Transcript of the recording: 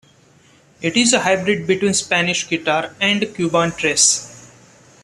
It is a hybrid between the Spanish guitar and the Cuban tres.